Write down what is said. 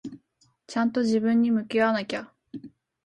ちゃんと自分に向き合わなきゃ。